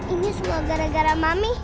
ini semua gara gara mami